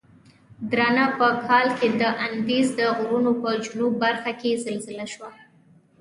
درانګه په کال کې د اندیز د غرونو په جنوب برخه کې زلزله وشوه.